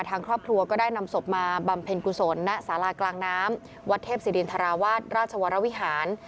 ทางครอบครัวก็ได้นำศพมาบำเพ็ญกุศลณสารากลางน้ำวัดเทพศิรินทราวาสราชวรวิหาร